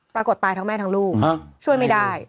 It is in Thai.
ปรากฏตายทั้งแม่ทั้งลูกช่วยไม่ได้